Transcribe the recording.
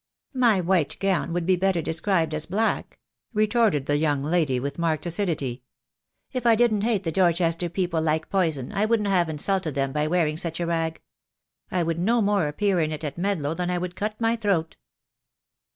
"My white gown would be better described as black," retorted the young lady with marked acidity. "If I didn't hate the Dorchester people like poison I wouldn't have insulted them by wearing such a rag. I would no more appear in it at Medlow than I would cut my throat."